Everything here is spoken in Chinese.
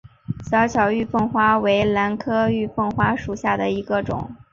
小巧玉凤花为兰科玉凤花属下的一个种。